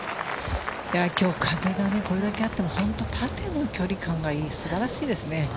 今日、風がこれだけあって縦の距離感がいい素晴らしいですね。